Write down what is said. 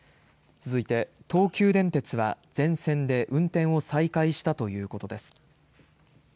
続いて、東急電鉄は全線で運転を再開したということです。